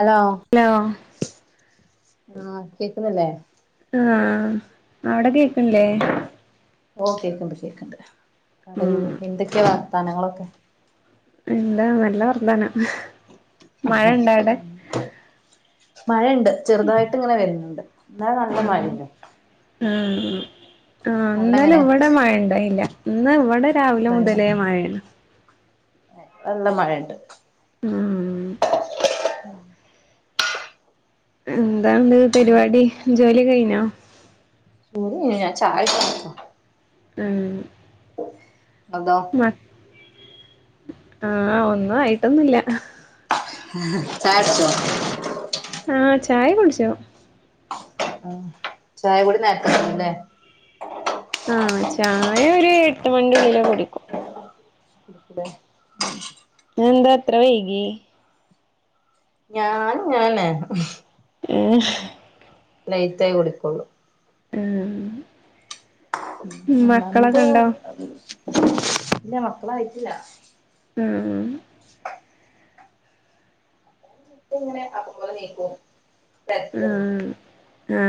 Hello hello ആഹ് കേക്കുന്നില്ലെ? ആഹ് അവിടെ കേക്കണില്ലേ. ഓ കേൾക്കണ്ട് കേക്കണ്ട് പറയൂ ഉം എന്തൊക്കെയാ വർത്തനങ്ങളൊക്കെ. എന്താ നല്ല വർത്താനം മഴ ഇണ്ട അവിടെ മ്മ് മഴയണ്ട് ചെറുതായിട്ട് ഇങ്ങനെ വരുന്നുണ്ട്. ഇവിടെ നല്ല മഴയിണ്ട്. മ്മ് മ്മ്. ആ അവിടെ ഇന്നലെ എങ്ങനെ ഇവിടെ മഴ ഇണ്ടായില്ല ഇന്ന് ഇവിടെ രാവിലെ ഇബടെ ഇവിടെ മുതലേ മഴയാണ്. നല്ല മഴയിണ്ട്. മ്മ്. എന്താണ്ട് പരിപാടി ജോലി കഴിഞ്ഞോ? ചൂടു കൂടുതലാ ചായക്കടുപ്പാ. ഉം അതോ മ ആഹ് ഒന്നും ആയിട്ടൊന്നുല്ല ചായ കുട്ച്ചോ? ആഹ് ചായ കുടിച്ചാ ആഹ് ചായ കൂടി നേരത്തേ കഴിഞ്ഞല്ലേ? ചൂടുണ്ടകിലേ കുടിക്കു. കുടിക്കെട ന്നെന്താത്ര വൈകിയേ? ഞാൻ വേണേ ഏ ലെയ്റ്റായി കുടിക്കൊള്ളൂ. ആഹ് ഒന്നാമത് പിന്നെ മക്കളായിട്ടില്ല. ആഹ് ക്കിങ്ങനെ അപ്പ പോലെ നീക്ക് ഉം ഉം ങേ ങാ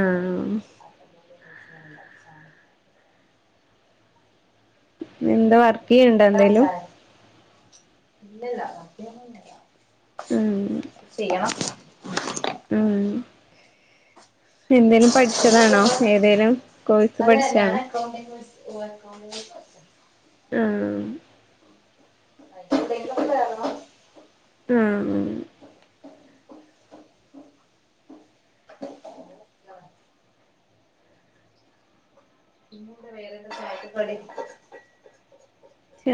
മേയ്ച്ചു തരേണ്ടാ സാമുക്കാ എന്താ വർക്ക് ചെയ്യണ്ടോന്തേലും ഇല്ലല്ല വർക്ക് ചെയ്യണില്ല. ഉം ചെയ്യെണം. ഉം എന്തേലും പഠിച്ചതാണോ? ഇന്നിപ്പോ ഏതേലും കോഴ്സ് അതെ ഞാൻ പഠിച്ചണോ? അക്കൗണ്ടിങ് അക്കൗണ്ടിങ് ആഹ് [inaudible] ഉം [unintelligible] ഇന്നുടെ വേറെന്താ ചായക്കൊപ്പവെടെ?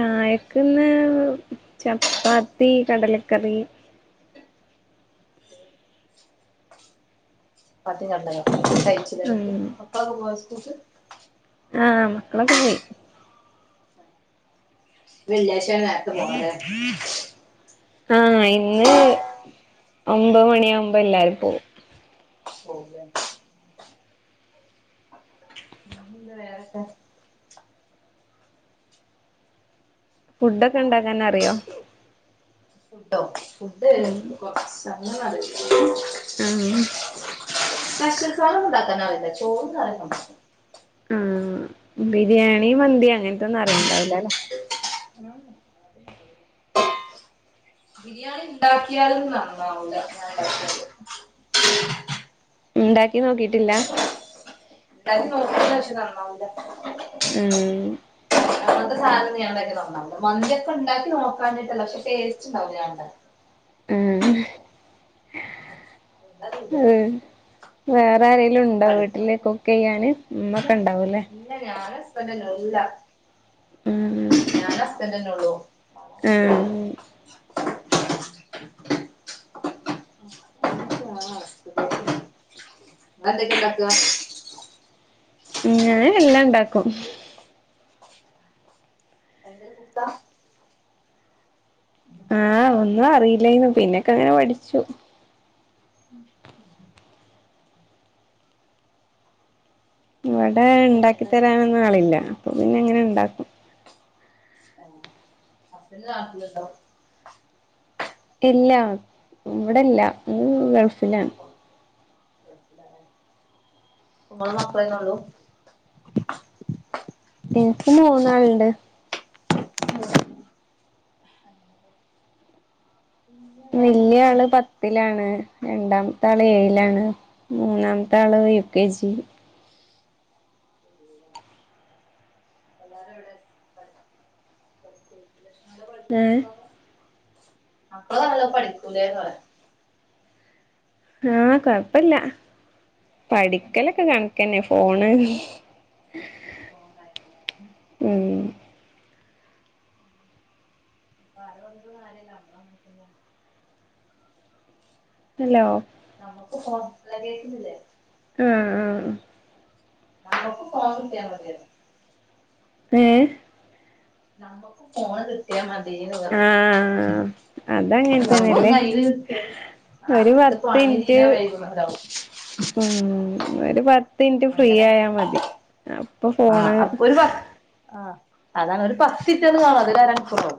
ചായക്കിന്ന് ചപ്പാത്തി, കടലക്കറി ചപ്പാത്തിം കടലക്കറിം ഒന്നും കഴിച്ചില്ലന്ന്ട്ട്. ഉം മക്കളൊക്കെപ്പോയോ സ്കൂളിക്ക്? ആഹ് മക്കളെക്കെ പോയി വെള്ളിയാഴ്ച്ചയോണ്ട് നേരത്തെ പോണല്ലേ? ആഹ് ഇന്ന് ഒമ്പത് മണിയാമ്പോ എല്ലാരും പോം. [unintelligible] എന്ത വേറക്കെ? ഫുഡെക്കെ ഇണ്ടാക്കാൻ അറിയോ? ഫുഡ്‌ ഉം കൊറച്ച് അങ്ങനെയറിയില്ല. [inaudible] ആഹ് [inaudible] ണ്ടാക്കറിയില്ലേ? ചോറും കറിയൊക്കെ ഉണ്ടാക്കും ഉം ബിരിയാണി, മന്തി അങ്ങനത്തൊന്നും അറിയൊണ്ടാവില്ലല്ലേ? ബിരിയാണി ഉണ്ടാക്കിയാലും നന്നാവൂല. ഞാനൊണ്ടാക്കിയാല്. ഉണ്ടാക്കി നോക്കിട്ടില്ല? പക്ഷേ നന്നാവൂലാ. ഉം അങ്ങനെത്തെ സാധനൊന്നും ഞാനൊണ്ടാക്കി നോക്കാറില്ല. മന്തിക്കെയെണ്ടാക്കി നോക്കാഞ്ഞിട്ടല്ല. പക്ഷെ ടേസ്റ്റുണ്ടാല്ല ഞാനൊണ്ടാങ്കിയാ. ഉം [inaudible] എന്താ ഇത് ഉം വേറെ ആരേലുണ്ടോ പഠിക്കണം വീട്ടില് കുക്ക് ചെയ്യാന്? ഇല്ല ഉമ്മക്കൊണ്ടാവല്ലേ. ഇല്ല [unintelligible] തന്നെല്ലൊള്ളൂ. ആ അന്തൊക്കെണ്ടാക്ക എല്ലാണ്ടാക്കും. പുട്ടാ ആഹ് ഒന്നും അറിയില്ലായിന്ന് പിന്നൊക്കെങ്ങനെ പഠിച്ചു. ഇവിടെ ഇണ്ടാക്കി തരാനൊന്നും ആളില്ല അപ്പൊ പിന്നെ ഇങ്ങനെ ഇണ്ടാക്കും. ഹസ്ബൻ്റ് നാട്ടിലുണ്ടോ? ഇല്ല ഇവിടെല്ല ഇ ഗൾഫിലാണ്. ഗൾഫിലാല്ലേ ഇങ്ങളും മക്കളന്നൊള്ളൂ എനിക്ക് മൂന്നാളുണ്ട് പിന്നെ വല്യ വേറെന്തൊക്കെ ആള് പത്തിലാണ് രണ്ടാമത്തെ ആള് ഓ ഏഴിലാണ് മൂന്നാമത്തെ ആള് യു കെ ജി. എല്ലാരും ഇവിടെ പഠി- പഠിച്ച് ലക്ഷ്മണന്റെ മ് പഠിത്തമൊക്കെ മക്കള് നല്ലോം പഠിക്കും ലെ ന്ന് പറയാ. ആഹ് കൊഴപ്പല്ല. പഠിക്കലൊക്കെ കണക്കന്നെ ഫോണ് മ് ഫോണുണ്ടായിരുന്നല്ലേ അപ്പൊ [unintelligible] ഹലോ. നമ്മുക്ക് [unintelligible] കേക്കുന്നില്ലേ? ആഹ് ആഹ് ആഹ് [unintelligible] ഫോൻ കിട്ടിയ മതിയല്ലോ. ഏ നമക്ക് ഫോണ് കിട്ടിയാ മതീന്ന് പറയാ. ആഹ് അതങ്ങനെ തന്നെല്ലേ. കയ്യില് കിട്ടിയ ആ ഒരു അന്നത്തെ പണി പത്ത്നിറ്റ് തീരാ വൈകുന്നവരാവും മ് ഒരു പത്ത് ത്ത്ൻ റ്റ് ഫ്രീ അങ്ങനെ ആയാ മതി അപ്പൊ ആ ഫോണ് അപ്പൊ ഒരു പത്ത് ആ അതാണ് ഒരു പത്ത്റ്റന്ന് കാണ അതൊരരാ മണിക്കൂറവും.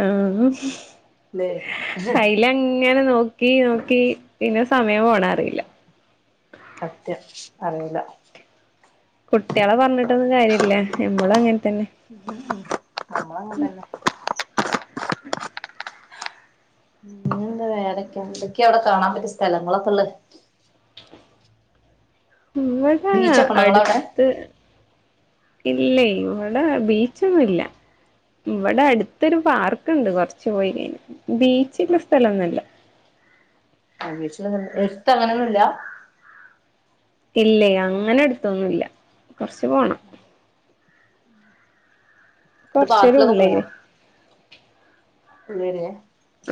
ആ അയ്ലങ്ങന നോ നോക്കി നോക്കി പിന്നെ സമയം പോണ അറിയില്ല. സത്യം അറീല കുട്ടികളെ പറഞ്ഞിട്ടൊന്നും കാര്യില്ല നമ്മളും അങ്ങനെ തന്നെ. നമ്മളങ്ങനത്തന്നെ ന്നെന്താ വേറെക്കെ എന്തൊക്ക അവടെ കാണാൻ പറ്റിയ സ്ഥലങ്ങളൊക്കെള്ളത് ഇവടെ ബീച്ചൊക്കെ ഉണ്ടോ നിങ്ങളവിടെ അട്ത്ത് ഇല്ല ഇവിടെ ബീച്ചൊന്നുംല്ല. ഇവിടെ അടുത്തൊരു പാർക്കുണ്ട് കൊറച്ച് പോയി കഴിഞ്ഞ ബീച്ചുള്ള സ്ഥലോന്നല്ല. [unintelligible] [unintelligible] എര്ത്തങ്ങനൊന്നുല്ല ഇല്ലയ് അങ്ങനെ അടുത്തൊന്നുംല്ല കൊറച്ച് പോണം. ഇത് കൊറച്ചൊരു പാർക്കിലൊക്കെ ഉള്ളേര്യേ ഉ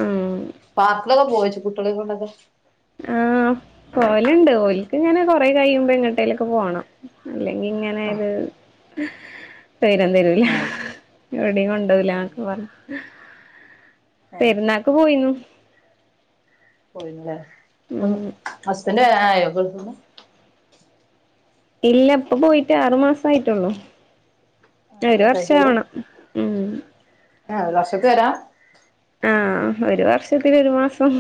ഉം പാർക്കിലൊക്കെ പോവെജ് കുട്ടികളെ കൊണ്ടൊക്കെ. ഇക്ക് ഇങ്ങനെ കൊറെ കയുമ്പോ എങ്ങട്ടേലൊക്കെ പോണം അല്ലെങ്കി ഇങ്ങനെ ഒര് തൈരം തരൂല ആഹ് എവിടിം ഉം കൊണ്ടോവൂലാ ഉം ക്കെ പറഞ് ഏഹ് പെരുന്നാക്ക് പോയിന്നു. പോയില്ലേ ഉം ഹസ്ബന്റ് വരാനായോ ഗൾഫിന്നു? ഇല്ല ഇപ്പൊ പോയിട്ട് ആറു മാസ ആയിട്ടൊള്ളൂ. ആറ് മാസായിട്ടൊള്ളൂ ആഹ് ഒരു വർഷാവണം മ്. ആഹ് വർഷത്തിൽ വര? ആഹ് ഒരു വർഷത്തി ഒരു മാസം.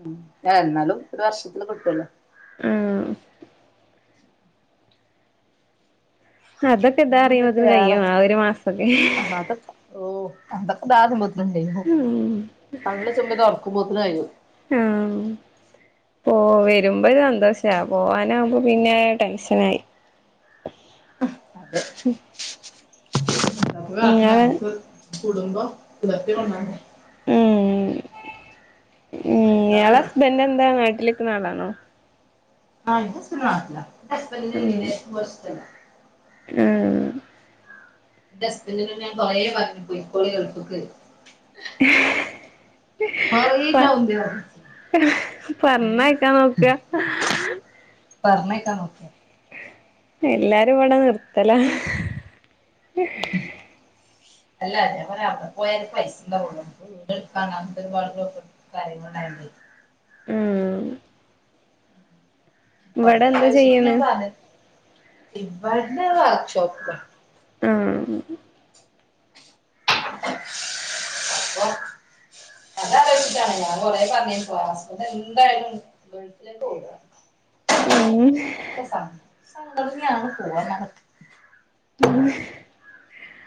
ഉം, എന്നാലും ഒരു വർഷത്തില് കിട്ടോല്ലോ. ആഹ. അതൊക്കെ ഇതാ പിന്നെ എന്തൊക്കെയ അറിയുമ്പോത്തിന് വേറെ, കഴിയും ആ ഒരു മാസൊക്കെ ആഹ് അതൊക്കൊ, ഓ അതൊക്കെ' ' [unintelligible] ' [unintelligible] ' ഉം ഉറക്കുമ്പോത്തി' ' [unintelligible] ഓ... വരും. ' [unintelligible] 'പോവാനാകുമ്പോ പിന്നെ ടെൻഷനായി. അതെ, കുറച്ച് കൂടെ കാത്തിരുന്നാ ഇങ്ങള് നമ്മക്ക് കുടുംബം പുലർത്തി കൊണ്ടുവരണ്ടേ. ഉം ഉം, ഞളെ ഹസ്ബൻഡ് എന്താ നാട്ടിൽ നിക്ക്ണ ആളാണോ? ആഹ, ഇന്റെ ഹസ്ബൻഡ് നാട്ടിലാ, ന്റെ ഹസ്ബൻഡ്ന്റെ ഉം കീഴിൽ' ' [unintelligible] ഉം. എന്റെ ഹസ്ബൻഡിനോട് ഞാൻ കുറേ പറഞ്ഞിക്ക്ണ് പോയിക്കോളി ഗൾഫിക്ക്. കൊറേ പ, ഞാൻ മുമ്പേ പറഞ്ഞു ഏഹ് പറഞ്ഞയക്കാൻ നോക്ക പറഞ്ഞയക്കാൻ നോക്കിയതാ. എല്ലാരും ഇവിടെ നിർത്തലാ അല്ല ഞാൻ പറയാ അവിടെ പോയാലേ പൈസ ഉണ്ടാവള്ളു നമ്മുക്ക് വീടെടുക്കണം അങ്ങത്തെ ഒരുപാട് കാര്യങ്ങൾ. [inaudible] ഉം. ഇവിടെ അത് എന്താ വെച്ചിട്ട് ചെയ്യണ് ഞാൻ പറഞ്ഞത് ഇവിടുന്ന് വർക്ക്ഷോപ്പ് ആഹ് ' [inaudible] ഞാൻ കൊറെ പറഞ്ഞ് പോവാൻ ഹസ്ബൻ്റ് എന്തായാലും ഗൾഫിലേക്ക് പോവുല. ഉം. സങ്കടന്നെയാണ് പോവാ പറഞ്ഞത്.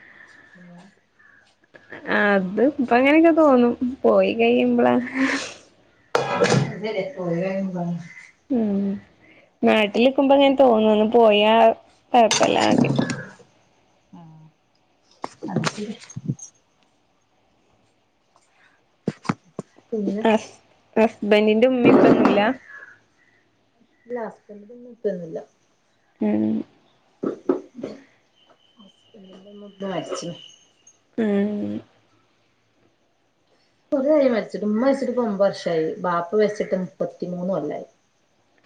' [inaudible] അത് ഇപ്പം അങ്ങനെയൊക്കെ തോന്നും പോയി കഴിയുമ്പളാ ' [inaudible] ഉം. നാട്ടിൽ നിക്കുമ്പോങ്ങനെ തോന്നും ഒന്ന് പോയ കൊഴപ്പല്യന്നൊക്കെ. ആഹ് ഹസ് ഹസ്ബെന്റിന്റെ ഉമ്മിം ഉപ്പെന്നുല്ല ഇല്ല ഹസ്ബെന്റിന്റെ ഉമ്മിം ഉപ്പയും ഒന്നുല്ല ഉം. ഹസ്ബന്റിന്റെ ഉമ്മുമ്മ മരിച്ചു ഉം. കുറെ ആയി മരിച്ചിട്ട് ഉമ്മ മരിച്ചിട്ട് ഇപ്പോ ഒൻമ്പത് വർഷമായി ബാപ്പ മരിച്ചിട്ട് മുപ്പത്തിമൂന്ന് കൊല്ലായി.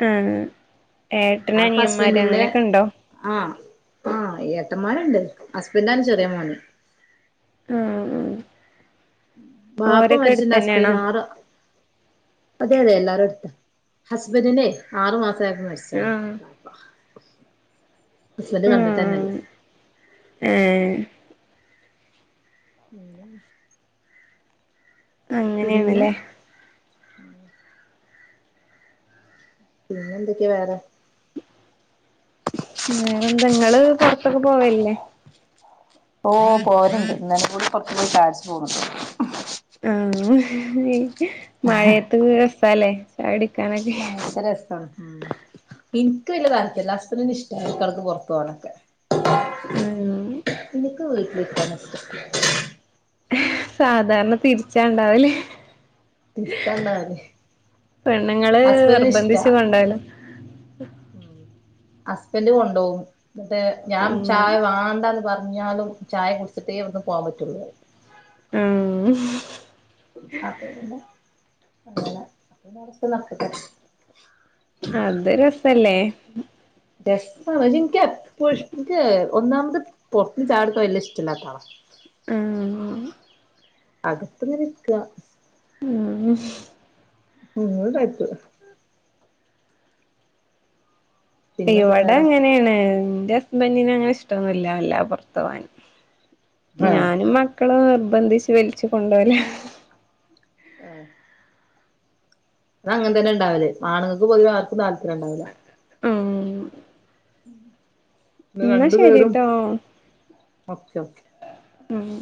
ആഹ് ഏട്ടന് ബാപ്പ അനിയൻമാര് ഹസ്ബൻഡിന്റെ അങ്ങനെയൊക്കെ ഉണ്ടോ? ആഹ് ആഹ് ഏട്ടൻമാരുണ്ട് ഹസ്ബൻ്റാണ് ചെറിയ മോന് ആ ആ ബാപ്പ മരിച്ചുമ്പോ ഹസ്ബൻഡിന് ആറ് അതെ അതെ എല്ലാരും ഹസ്ബെന്റിന്റെ ആറു മാസ് [unintelligible] മരിച്ചത് ആഹ് ഹസ്ബന്റ് നട്ടിതന്നല്ല ആഹ് ഏഹ് ' [inaudible] അങ്ങനെയാണല്ലേ ഉം പിന്നെ എന്തൊക്കെയാ വേറെ. വേറെന്താ ഇങ്ങൾ പെറത്തൊക്കെ പോവേല്ലേ ഓ പോല്ണ്ട് ഇന്നലെ കൂടി പുറത്ത് പോയി ചായ കുടിച് പൊന്നിട്ടൊള്ളു ആഹ മഴയത്ത് രസല്ലേ ചായ കുടി ഭയങ്കര രസ ഉ എനിക്ക് വലിയ താല്പര്യല്ല. ഹുസ്ബൻഡ്ന് ഇഷ്ട ഇടക്ക് പുറത്തു പോകാനൊക്കെ ആഹ് എനിക്ക് വീട്ടിലിരിക്കാനാ ഇഷ്ടം സാധാരണ തിരിച്ചാ ഇണ്ടാവല് തിരിച്ചാള്ള കാര്യം പെണ്ണുങ്ങള് നിർബന്ധിച്ച് കൊണ്ടോല്ല ഹസ്ബൻഡ് കൊണ്ടുപോ എന്നട്ട് ഞാൻ ഉം ചായ വ ണ്ട എന്ന് പറഞ്ഞാലും ചായ കുടിച്ചിട്ടേ ഇവിന്ന് പോവാൻ പറ്റുള്ളൂ ആഹ് അപ്പൊ പിന്നെ അതല്ലെ അപ്പൊ നടറസ്ഥ നക്കട്ടെ അത് രസല്ലേ രസാ പക്ഷെ എനിക്ക് എപ്പോഴ എനിക്ക് ഒന്നാമത് പൊറത്ത് ചായു ടിക്ക വല്ല ഇഷ്ടല്ലാത്താള ആഹ് അകത്ങ്ങനിരിക്ക ഉം ഉം ആയിത്ത പിന്നെന്താ ഇവിടെ വേറെ അങ്ങനെയാണ് ന്റെ ബന്നിന അങ്ങനെ ഇഷ്ടന്നില്ല വല്ലാ പുറത്തു പോവാൻ ആഹ് ഞാനും മക്കളും ബന്ധിച്ച് വലിച്ചു കൊണ്ടോല ആഹ അത് അങ്ങനെ തന്നെ ഉണ്ടാവില്ലേ ആണുങ്ങൾക്കപൊതുവെ ആർക്കും താല്പര്യം ഉണ്ടാവുല ആ ഇന്ന് രണ്ടു പേരും ശരിട്ടോ ഓക്കേ ഓക്കേ ഉം ഹ